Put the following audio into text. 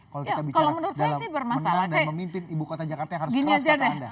kalau kita bicara dalam menang dan memimpin ibu kota jakarta yang harus keras kata anda